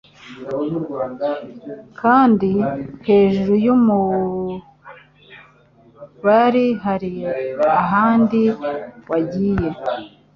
Kandi hejuru yumubari hari ahandi wagiye